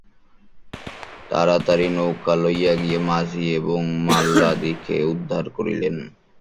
তাড়াতাড়ি নৌকা লইয়া গিয়া মাঝি এবং মাল্লাদিগকে উদ্ধার করিলেন।